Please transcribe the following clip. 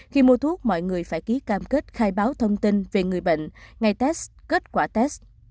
khi mua thuốc mọi người phải ký cam kết khai báo thông tin về người bệnh ngày test kết quả test